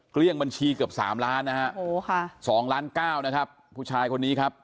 เกลี้ยงบัญชีเกือบ๓ล้านนะฮะ๒ล้าน๙นะครับผู้ชายคนนี้ครับ